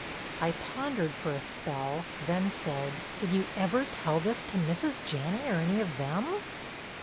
I pondered for a spell then said: "Did you ever tell this to Mrs. Janney or any of them?"